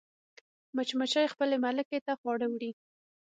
مچمچۍ خپل ملکې ته خواړه وړي